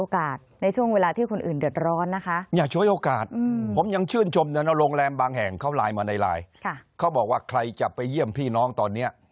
เขาไลน์มาในไลน์ค่ะเขาบอกว่าใครจะไปเยี่ยมพี่น้องตอนเนี้ย